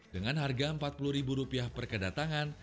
dengan harga rp empat puluh per kedatangan